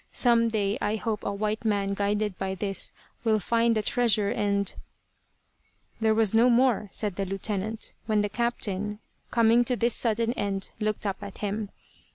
Some day I hope a white man guided by this, will find the treasure and " "There was no more," said the lieutenant, when the captain, coming to this sudden end looked up at him.